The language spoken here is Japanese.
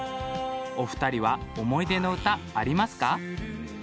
お二人は思い出の歌ありますか？